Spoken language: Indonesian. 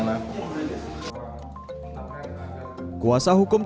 kekuasaan hukum terdakwa adi yasin pertama pertama